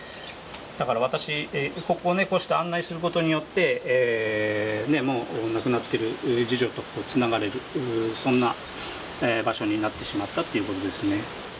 だから私ここをねこうして案内することによってもう亡くなってる次女とつながれるそんな場所になってしまったっていうことですね。